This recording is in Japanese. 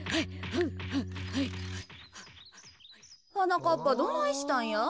はなかっぱどないしたんや？